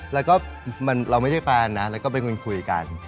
แล้วก็เราไม่ใช่แฟนนะแล้วก็เป็นคนคุยกัน